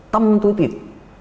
tâm tối tịt